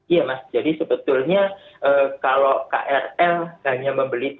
iya mas jadi sebetulnya kalau krl hanya membeli